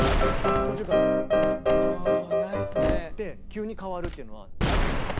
急に変わるっていうのはなかなかない。